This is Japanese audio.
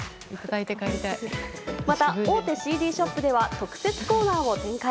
また、大手ＣＤショップでは特設コーナーを展開。